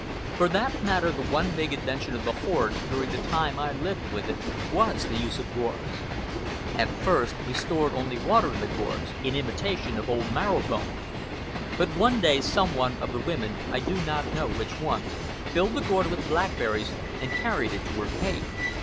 For that matter, the one big invention of the horde, during the time I lived with it, was the use of gourds. At first we stored only water in the gourds—in imitation of old Marrow Bone. But one day some one of the women—I do not know which one—filled a gourd with black berries and carried it to her cave.